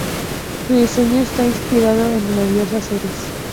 Su diseño está inspirado en la diosa Ceres.